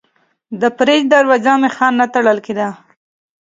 د فریج دروازه مې ښه نه تړل کېده.